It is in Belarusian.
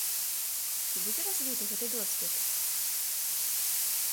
Ці будзе развіты гэты досвед?